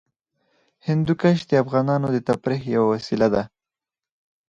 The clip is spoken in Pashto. هندوکش د افغانانو د تفریح یوه وسیله ده.